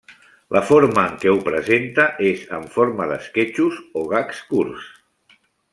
La forma en què ho presenta és en forma d'esquetxos o gags curts.